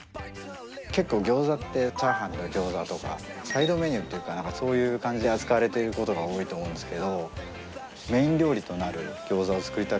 結構餃子ってチャーハンと餃子とかサイドメニューというかそういう感じで扱われてることが多いと思うんですけど。